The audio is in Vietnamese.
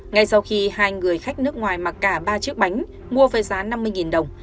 ngay sau khi hai người khách nước ngoài mặc cả ba chiếc bánh mua với giá năm mươi đồng